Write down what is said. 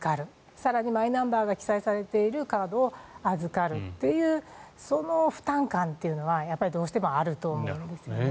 更にはマイナンバーが記載されているカードを預かるというその負担感というのはどうしてもあると思うんですね。